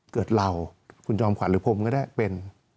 เกิดเราคุณจอมขวัญหรือผมก็ได้เป็น